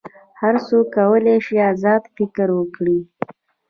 هر څوک کولی شي آزاد فکر وکړي.